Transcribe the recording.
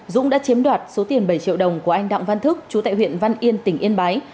dũng đã chiếm đoạt số tiền bảy triệu đồng của anh đặng văn thức chú tại huyện văn yên tỉnh yên bái